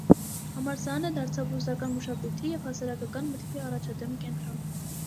Համալսարանը դարձավ ռուսական մշակույթի և հասարակական մտքի առաջադեմ կենտրոն։